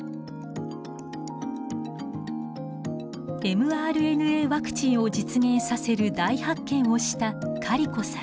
ｍＲＮＡワクチンを実現させる大発見をしたカリコさん。